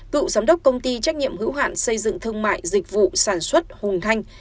cựu giám đốc công ty trách nhiệm hữu hạn xây dựng thương mại dịch vụ sản xuất hùng thanh